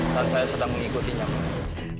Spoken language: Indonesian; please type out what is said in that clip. dan saya sedang mengikuti nyamuk